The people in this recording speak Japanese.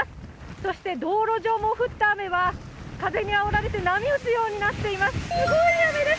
そして道路上も降った雨は風にあおられて波打つようになっています。